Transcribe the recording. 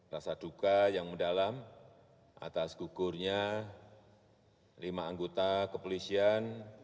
rasa duka yang mendalam atas gugurnya lima anggota kepolisian